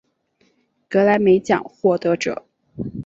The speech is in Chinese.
格莱美奖获得者。